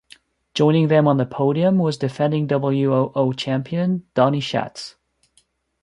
Joining them on the podium was defending WoO champion Donny Schatz.